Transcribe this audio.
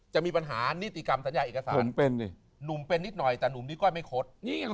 จะมีปัญหานิติกรรมสัญญาเอกสารหนุ่มเป็นนิดหน่อยแต่หนุ่มนิก้อยไม่คดนี่ไง